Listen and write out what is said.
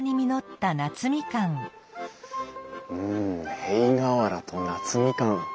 うん塀瓦と夏みかん。